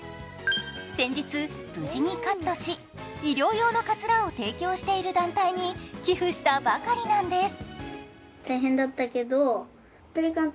先日、無事にカットし、医療用のかつらを提供している団体に寄付したばかりなんです。